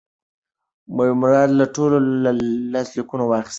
مراد له ټولو لاسلیکونه واخیستل.